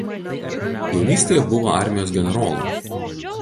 Jaunystėje buvo armijos generolu.